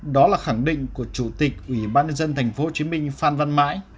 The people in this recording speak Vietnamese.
đó là khẳng định của chủ tịch ủy ban nhân dân tp hcm phan văn mãi